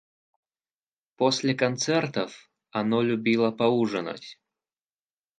После концертов оно любило поужинать.